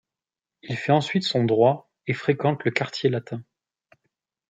Il fait ensuite son Droit et fréquente le Quartier Latin.